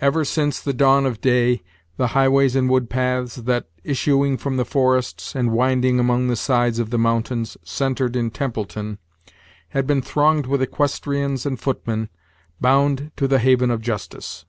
Ever since the dawn of day, the highways and woodpaths that, issuing from the forests, and winding among the sides of the mountains, centred in Templeton, had been thronged with equestrians and footmen, bound to the haven of justice.